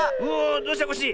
どうした⁉コッシー。